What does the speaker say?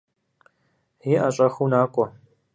ИӀэ, щӀэхыу накӏуэ.